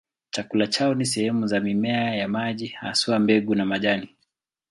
Chakula chao ni sehemu za mimea ya maji, haswa mbegu na majani.